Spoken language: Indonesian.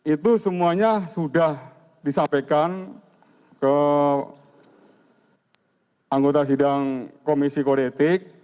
itu semuanya sudah disampaikan ke anggota sidang komisi koretik